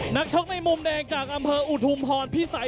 นักชกในมุมแดงจากอำเภออุทุมพรพิสัย